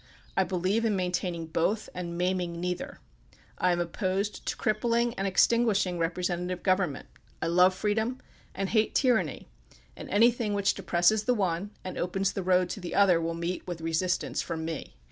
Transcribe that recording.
I believe in maintaining both and maiming neither. I am opposed to crippling and extinguishing representative govern ment. I love freedom and hate tyranny, and any1,hing which depresses the one and opens the road to the other will meet with resistance from me.